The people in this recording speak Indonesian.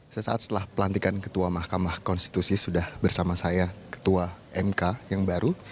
sesaat setelah pelantikan ketua mahkamah konstitusi sudah bersama saya ketua mk yang baru